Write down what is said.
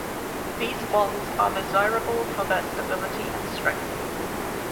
These bonds are desirable for their stability and strength.